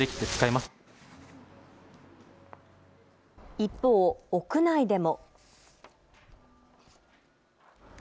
一方、屋内でも。